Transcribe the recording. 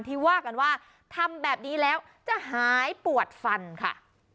ที่ว่ากันว่าทำแบบนี้แล้วจะหายปวดฟันค่ะ